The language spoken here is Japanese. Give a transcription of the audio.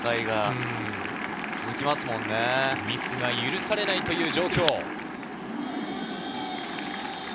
ミスが許されない状況。